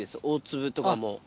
大粒とかも。